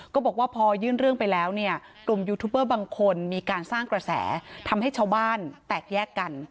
ก็บอกว่าพอยื่นเรื่องไปแล้วเนี่ยกลุ่มยูทูบเบอร์บางคนมีการสร้างกระแสทำให้ชาวบ้านแตกแยกกัน